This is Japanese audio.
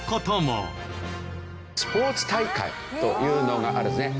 スポーツ大会というのがあるんですね。